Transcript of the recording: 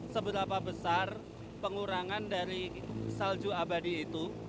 seberapa besar pengurangan dari salju abadi itu